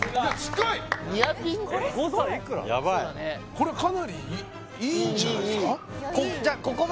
これかなりいいんじゃないですか？